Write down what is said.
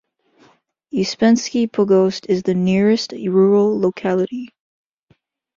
Uspensky Pogost is the nearest rural locality.